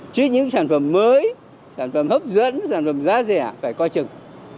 chứ những sản phẩm mới sản phẩm hấp dẫn sản phẩm giá rẻ phải coi chừng